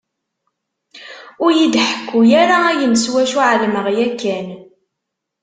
Ur yi-d-ḥekku ara ayen s wacu εelmeɣ yakan.